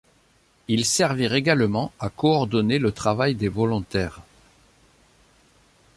Ils servirent également à coordonner le travail des volontaires.